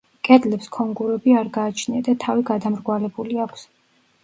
კედლებს ქონგურები არ გააჩნია და თავი გადამრგვალებული აქვს.